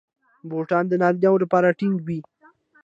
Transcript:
بوټونه د نارینه وو لپاره ټینګ وي.